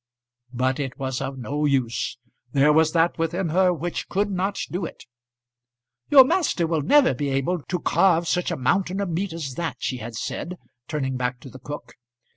But it was of no use. There was that within her which could not do it. "Your master will never be able to carve such a mountain of meat as that," she had said, turning back to the cook.